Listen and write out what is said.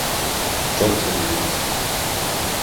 Çok seveceksin.